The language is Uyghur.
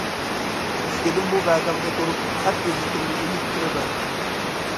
سېنىڭمۇ ۋەدەڭدە تۇرۇپ خەت يېزىشىڭنى ئۈمىد قىلىمەن.